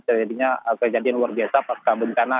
terjadinya kejadian luar biasa pasca bencana